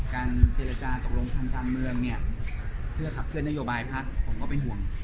การเจรจากักลงทางมือเพื่อขับเคลื่อนนโยบายพัทรผมก็เป็นห่วง